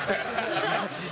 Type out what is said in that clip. マジで。